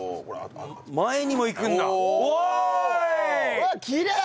うわっきれい！